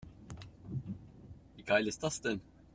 Wie geil ist das denn?